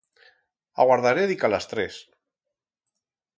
Aguardaré dica las tres.